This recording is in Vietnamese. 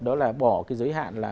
đó là bỏ cái giới hạn là